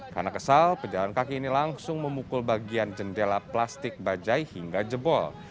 karena kesal pejalan kaki ini langsung memukul bagian jendela plastik bajaj hingga jebol